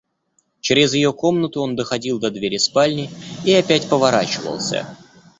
Чрез ее комнату он доходил до двери спальни и опять поворачивался.